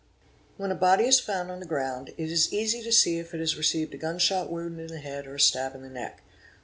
When a_body is found on the ground it is easy to see if it has received a gun shot wound in the head or a stab in the neck.